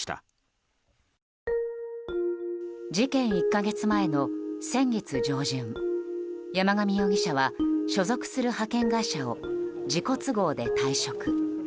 １か月前の先月上旬山上容疑者は所属する派遣会社を自己都合で退職。